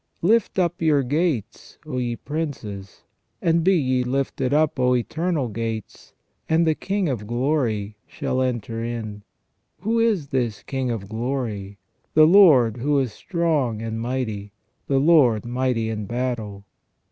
" Lift up your gates, O ye princes ; and be ye lifted up, O eternal gates, and the King of Glory shall enter in. " Who is this King of Glory ? "The Lord who is strong and mighty, the Lord mighty in battle.